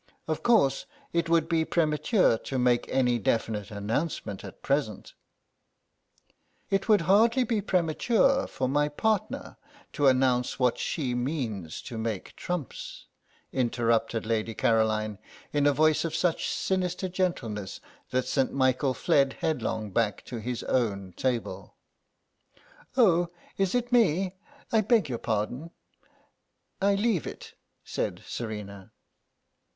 Of course, it would be premature to make any definite announcement at present—" "It would hardly be premature for my partner to announce what she means to make trumps," interrupted Lady Caroline, in a voice of such sinister gentleness that St. Michael fled headlong back to his own table. "Oh, is it me? I beg your pardon. I leave it," said Serena.